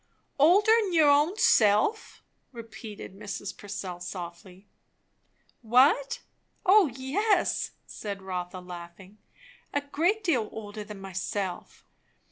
"Older 'n your own self?" repeated Mrs. Purcell softly. "What? O yes!" said Rotha laughing; "a great deal older than myself.